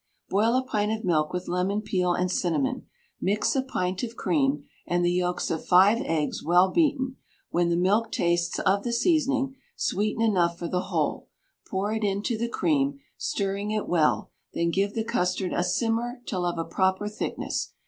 Boil a pint of milk with lemon peel and cinnamon; mix a pint of cream, and the yolks of five eggs well beaten; when the milk tastes of the seasoning, sweeten enough for the whole; pour it into the cream, stirring it well; then give the custard a simmer till of a proper thickness.